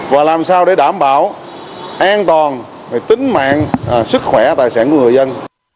và làm sao để đảm bảo an toàn tính mạng sức khỏe tài sản của người dân